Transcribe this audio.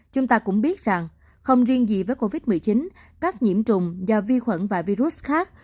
chúng ta cũng biết rằng không riêng gì với covid một mươi chín các nhiễm trùng do vi khuẩn và virus khác